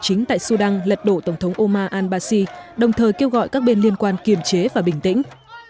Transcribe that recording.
chính tại sudan lật đổ tổng thống omar al basi đồng thời kêu gọi các bên liên quan kiềm chế và bình tĩnh